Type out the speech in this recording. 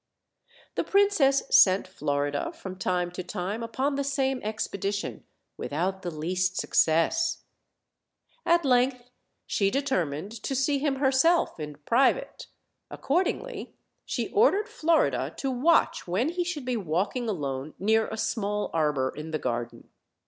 The princess sent Florida from time to time upon the same expedition, without the least success. At length she determined to see him herself in private; accord ingly, she ordered Florida to watch when he should be walking alone near a small arbor in the garden.